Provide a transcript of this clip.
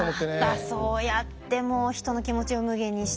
またそうやって人の気持ちを無下にして。